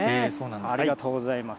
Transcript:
ありがとうございます。